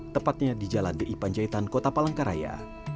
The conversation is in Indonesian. tepatnya di jalan di panjaitan kota palangkaraya